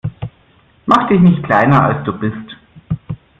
Mach dich nicht kleiner, als du bist.